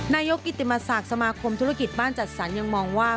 นายกกิติมศักดิ์สมาคมธุรกิจบ้านจัดสรรยังมองว่า